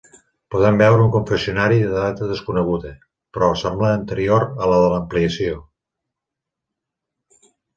Podem veure un confessionari de data desconeguda, però sembla anterior a la de l'ampliació.